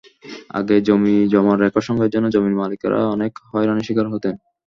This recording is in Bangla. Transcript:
আগে জমিজমার রেকর্ড সংগ্রহের জন্য জমির মালিকেরা অনেক হয়রানির শিকার হতেন।